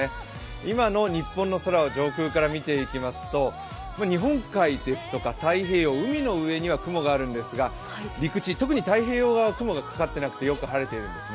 今の日本の空を上空から見ていきますと、日本海、太平洋海の上には雲があるんですが陸地、特に太平洋側は雲がかかっていなくてよく晴れているんですね。